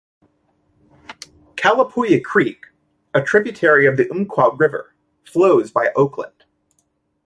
Calapooya Creek, a tributary of the Umpqua River, flows by Oakland.